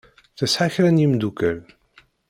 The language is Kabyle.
Tesεa kra n yemdukal.